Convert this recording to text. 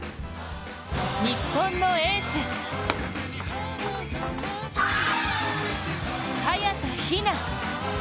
日本のエース、早田ひな。